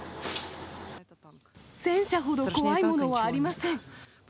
戦車ほど怖いものはありません。